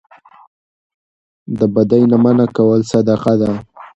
د بدۍ نه منع کول صدقه ده